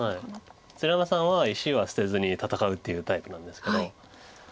鶴山さんは石は捨てずに戦うっていうタイプなんですけど。